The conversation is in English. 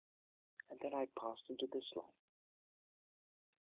And then I passed into this life.